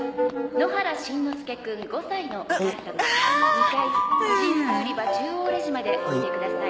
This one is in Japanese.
「野原しんのすけくん５歳のお母様２階婦人服売り場中央レジまでおいでください」